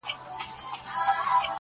• چي پیدا دی یو پر بل باندي بلوسیږي -